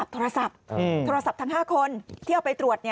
โทรศัพท์ทั้ง๕คนที่เอาไปตรวจ